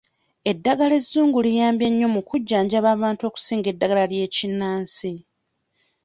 Eddagala ezzungu liyambye nnyo mu kujjanjaba abantu okusinga eddagala ery'ekinnansi.